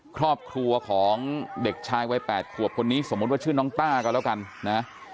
ครอบครัวของเด็กชายวัย๘ขวบคนนี้สมมุติว่าชื่อน้องต้าก็แล้วกันนะ